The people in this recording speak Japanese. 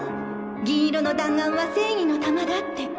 銀色の弾丸は正義の弾だって。